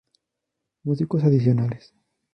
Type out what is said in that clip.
Músicos adicionales;